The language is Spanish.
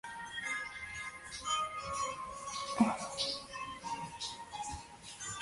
Ahí están situados una cámara digital y una linterna en posición de bayoneta.